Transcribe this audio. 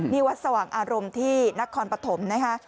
นี่วัดสว่างอารมณ์ที่นครปฐมนะคะ